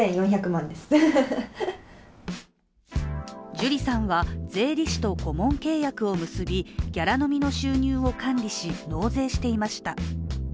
ＪＵＲＩさんは税理士と顧問契約を結びギャラ飲みの収入を管理し納税していました。